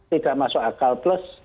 tidak masuk akal plus